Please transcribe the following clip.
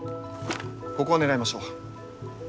ここを狙いましょう。